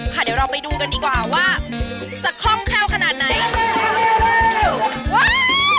เดี๋ยวเราไปดูกันดีกว่าว่าจะคล่องแคล่วขนาดไหน